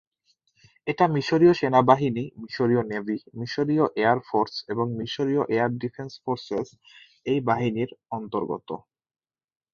এটা মিশরীয় সেনাবাহিনী, মিশরীয় নেভি, মিশরীয় এয়ার ফোর্স এবং মিশরীয় এয়ার ডিফেন্স ফোর্সেস এই বাহিনীর অন্তর্গত।